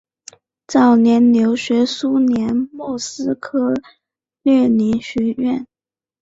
早年留学苏联莫斯科列宁学院。